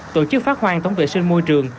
tổ chức phát hoang tổng vệ sinh môi trường